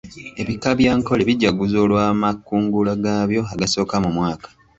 Ebika bya Ankole bijaguza olw'amakungula gaabyo agasooka mu mwaka.